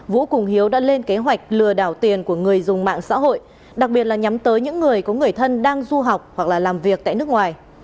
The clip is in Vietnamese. vũ cùng hiếu đã lên kế hoạch lừa đảo tiền của người dùng mạng xã hội đặc biệt là nhắm tới những người có người thân đang du học hoặc là làm việc tại nước ngoài